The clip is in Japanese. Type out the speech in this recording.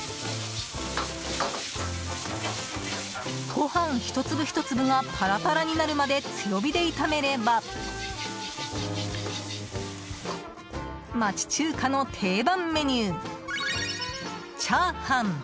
ご飯、ひと粒ひと粒がパラパラになるまで強火で炒めれば、町中華の定番メニュー、炒飯。